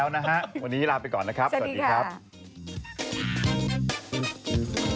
วันนี้ลาไปก่อนนะครับสวัสดีครับ